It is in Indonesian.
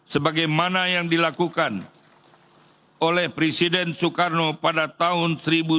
sebagai mana yang dilakukan oleh presiden soekarno pada tahun seribu sembilan ratus lima puluh enam